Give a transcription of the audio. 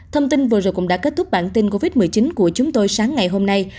thông tin vừa rồi cũng đã kết thúc bản tin covid một mươi chín của chúng tôi sáng ngày hôm nay